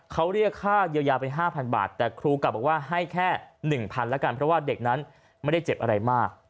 เขาเรียกค่าเยียวยาไป๕๐๐บาทแต่ครูกลับบอกว่าให้แค่๑๐๐๐แล้วกันเพราะว่าเด็กนั้นไม่ได้เจ็บอะไรมาก